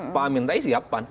pak amin rais siap pan